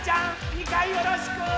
２かいよろしく！